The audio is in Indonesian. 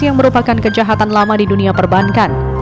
yang merupakan kejahatan lama di dunia perbankan